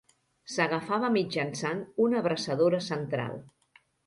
S'agafava mitjançant una abraçadora central.